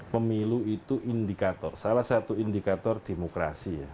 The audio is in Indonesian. pemilu itu indikator salah satu indikator demokrasi ya